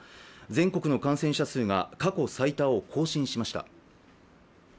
全国の感染者数が過去最多を更新しました。